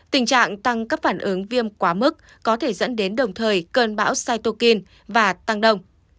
tình trạng tăng các phản ứng viêm quá mức có thể dẫn đến đồng thời cơn bão saitokin và tăng đồng